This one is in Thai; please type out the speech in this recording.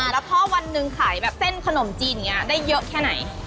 แล้วพ่อวันหนึ่งขายแบบเส้นขนมจีนอย่างนี้ได้เยอะแค่ไหน